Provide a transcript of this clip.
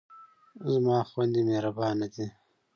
زما خویندې مهربانه دي.